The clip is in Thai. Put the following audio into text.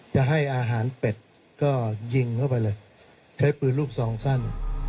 จะให้อาหารเป็ดก็ยิงเข้าไปเลยใช้ปืนลูกซองสั้น